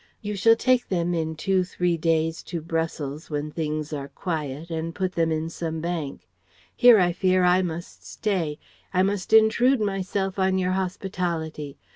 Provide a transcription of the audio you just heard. You shall take them in two three days to Brussels when things are quiet, and put them in some bank. Here I fear I must stay. I must intrude myself on your hospitality.